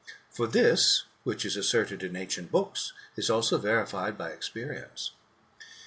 For this, which is asserted in ancient books, is also verified by experience.